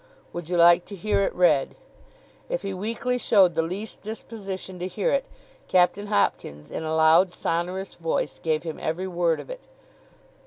'Would you like to hear it read?' If he weakly showed the least disposition to hear it, Captain Hopkins, in a loud sonorous voice, gave him every word of it.